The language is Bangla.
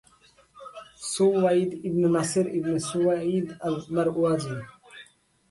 সুওয়াইদ ইবনে নাসের ইবনে সুয়াইদ আল-মারওয়াজি